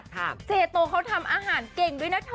เจโตเขาทำอาหารเก่งด้วยนะเธอ